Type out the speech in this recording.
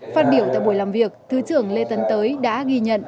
phát biểu tại buổi làm việc thứ trưởng lê tấn tới đã ghi nhận